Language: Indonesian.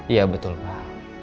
ya betul pak